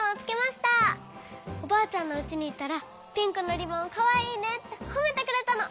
おばあちゃんのうちにいったらピンクのリボンかわいいねってほめてくれたの。